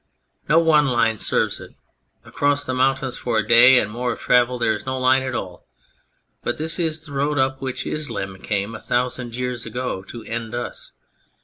No one line serves it. Across the mountains for a day and more of travel there is no line at all, but this is the road up which Islam came a thousand years ago to end us.